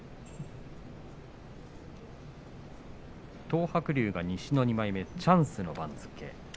東白龍は西の２枚目チャンスの番付。